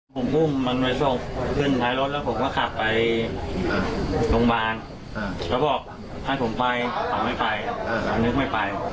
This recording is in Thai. ผมอุ้มมันไปส่งขึ้นท้ายรถแล้วผมก็ขับไปโรงพยาบาลเขาบอกให้ผมไปเขาไม่ไปเขานึกไม่ไป